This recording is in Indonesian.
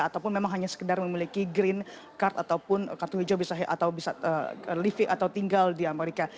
ataupun memang hanya sekedar memiliki green card ataupun kartu hijau atau bisa livi atau tinggal di amerika